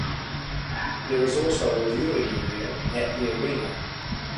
There is also a viewing area at the arena.